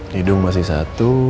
hidung masih satu